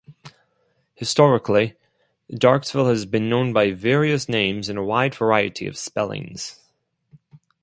Historically, Darkesville has been known by various names and a wide variety of spellings.